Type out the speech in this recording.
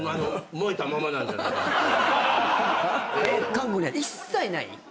韓国には一切ない？